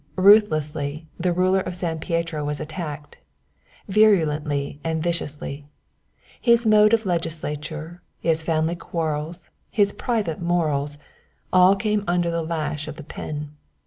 Ruthlessly the ruler of San Pietro was attacked virulently and viciously. His mode of legislature, his family quarrels, his private morals, all came under the lash of the pen.